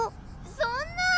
そんなぁ